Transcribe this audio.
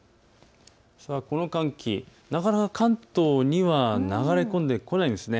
この寒気なかなか関東には流れ込んでこないんです。